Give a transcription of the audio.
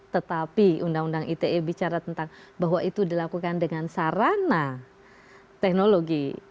tetapi undang undang ite bicara tentang bahwa itu dilakukan dengan sarana teknologi